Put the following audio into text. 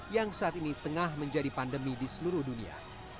yang saat ini tengah menjadi pandemi di seluruh dunia